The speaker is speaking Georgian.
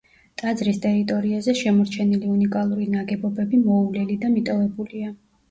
ტაძრის ტერიტორიაზე შემორჩენილი უნიკალური ნაგებობები მოუვლელი და მიტოვებულია.